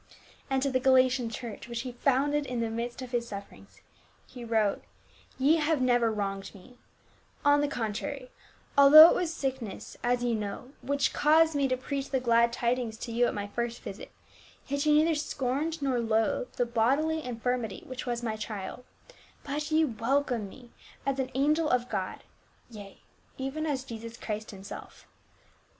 And to the Galatian church which he founded in the midst of his sufferings he wrote, " Ye have never * I. Tim. iv. 14. t ^^'^"'^^' ^~5 316 PA UL. wronged mc ; on the contrary, altliough it was sick ness as ye know — which caused me to preach the glad tidings to you at my first visit, yet ye neither scorned nor loathed the bodily infirmity which was my trial ; but yc Avclcomed me as an angel of God, yea, even, as Jesus Christ himself.